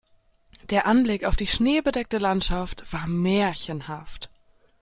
Der Anblick auf die schneebedeckte Landschaft war märchenhaft.